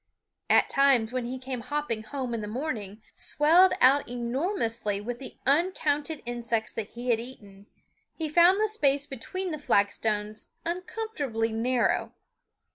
At times when he came hopping home in the morning, swelled out enormously with the uncounted insects that he had eaten, he found the space between the flagstones uncomfortably narrow.